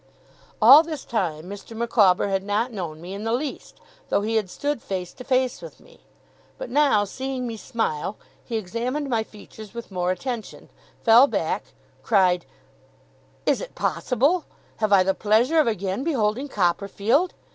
All this time, Mr. Micawber had not known me in the least, though he had stood face to face with me. But now, seeing me smile, he examined my features with more attention, fell back, cried, 'Is it possible! Have I the pleasure of again beholding Copperfield!